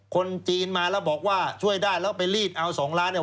คนจีนมาแล้วบอกว่าช่วยได้แล้วไปรีดเอาสองล้านเนี่ย